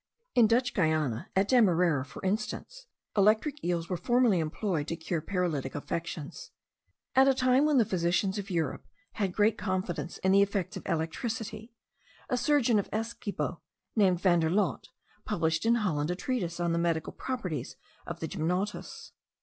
In Dutch Guiana, at Demerara for instance, electric eels were formerly employed to cure paralytic affections. At a time when the physicians of Europe had great confidence in the effects of electricity, a surgeon of Essequibo, named Van der Lott, published in Holland a treatise on the medical properties of the gymnotus.